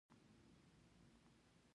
دوی د پټرولو په استخراج کې کار کوي.